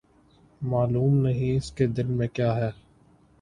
معلوم نہیں، اس کے دل میں کیاہے؟